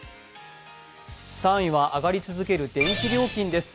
３位は上がり続ける電気料金です。